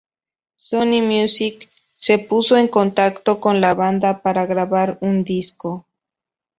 Sony Music se puso en contacto con la banda para grabar un disco.